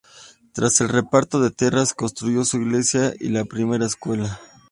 Tras el reparto de tierras, construyó su iglesia y la primera escuela.